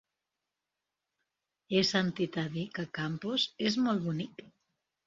He sentit a dir que Campos és molt bonic.